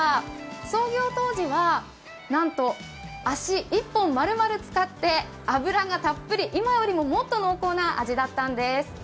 創業当時はなんと足１本丸々使って脂がたっぷり、今よりももっと濃厚な味だったんです。